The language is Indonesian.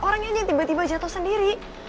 orangnya aja tiba tiba jatuh sendiri